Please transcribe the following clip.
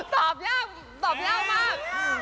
ตอบยากตอบยากมาก